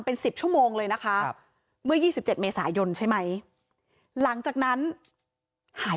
เป็น๑๐ชั่วโมงเลยนะคะเมื่อ๒๗เมษายนใช่ไหมหลังจากนั้นหาย